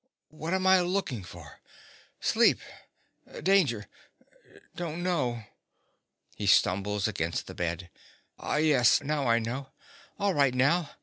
_) What am I looking for? Sleep—danger—don't know. (He stumbles against the bed.) Ah, yes: now I know. All right now.